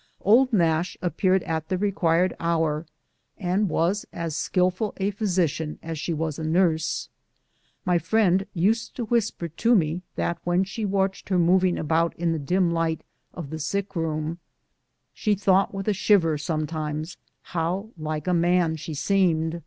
" Old Nash " appeared at the required hour, and was as skilful a physician as she was a nurse. My friend used to whisper to me that when she watched her moving about in the dim light of the sick room, she thought with a shiver sometimes how like a man she seemed.